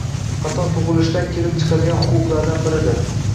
xato - tug'ilishdan kelib chiqadigan huquqlardan biridir